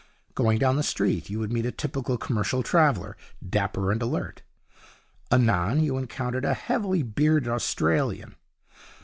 Going down the street, you would meet a typical commercial traveller, dapper and alert. Anon, you encountered a heavily bearded Australian.